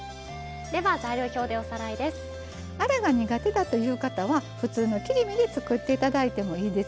材料表でおさらいです。